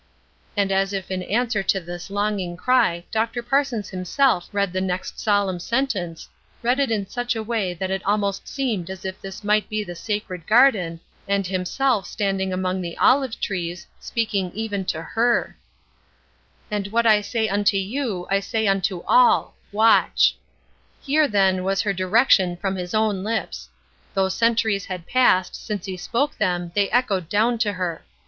And as if in answer to this longing cry Dr. Parsons himself read the next solemn sentence, read it in such a way that it almost seemed as if this might be the sacred garden, and Himself standing among the olive trees speaking even to her: "And what I say unto you I say unto all, Watch." Here, then, was her direction from His own lips. Though centuries had passed since He spoke them they echoed down to her.